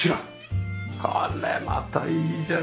これまたいいじゃない。